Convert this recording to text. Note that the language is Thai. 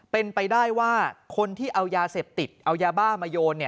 เป็นไปได้ว่าคนที่เอายาเสพติดเอายาบ้ามาโยน